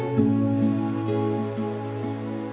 gak gak gak